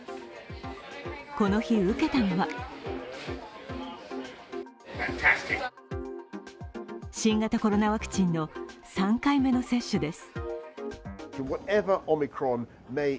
この日、受けたのは新型コロナワクチンの３回目の接種です。